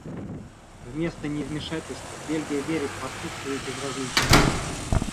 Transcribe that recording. Вместо невмешательства Бельгия верит в отсутствие безразличия.